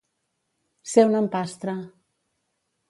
Ser un empastre.